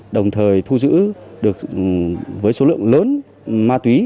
đồng thời thu giữ được với số lượng lớn ma túy